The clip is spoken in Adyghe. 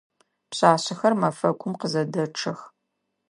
Пшъашъэхэр мэфэкум къызэдэчъэх.